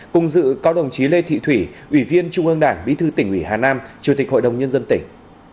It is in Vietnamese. cùng dự có đồng chí lê thị thủy ủy viên trung ương đảng bí thư tỉnh ủy hà nam chủ tịch hội đồng nhân dân tỉnh